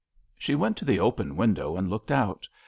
She went to the open window and looked out.